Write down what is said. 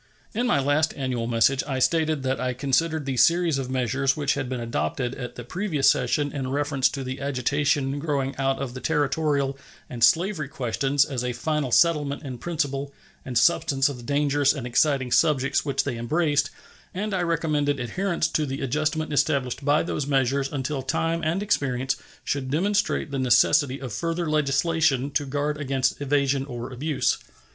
In my last annual message I stated that I considered the series of measures which had been adopted at the previous session in reference to the agitation growing out of the Territorial and slavery questions as a final settlement in principle and substance of the dangerous and exciting subjects which they embraced, and I recommended adherence to the adjustment established by those measures until time and experience should demonstrate the necessity of further legislation to guard against evasion or abuse.